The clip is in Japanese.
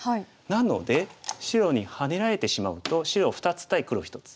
なので白にハネられてしまうと白２つ対黒１つ。